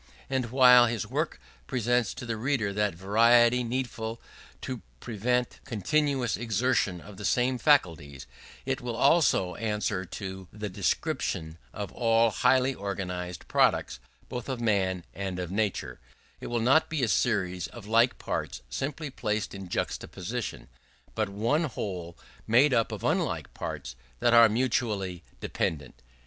And while his work presents to the reader that variety needful to prevent continuous exertion of the same faculties, it will also answer to the description of all highly organized products, both of man and of nature: it will be not a series of like parts simply placed in juxtaposition, but one whole made up of unlike parts that are mutually dependent.